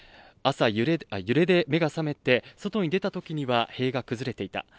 朝、揺れで目が覚めて外に出たときには、塀が崩れていた。